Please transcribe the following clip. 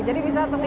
jadi bisa ketik